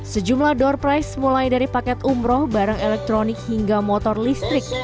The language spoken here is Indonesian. sejumlah door price mulai dari paket umroh barang elektronik hingga motor listrik